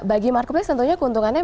bagi marketplace tentunya keuntungannya